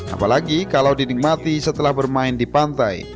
apalagi kalau dinikmati setelah bermain di pantai